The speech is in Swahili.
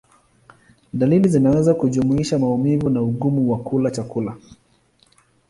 Dalili zinaweza kujumuisha maumivu na ugumu wa kula chakula.